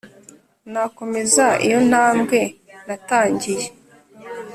nakomeza iyo ntambwe natangiye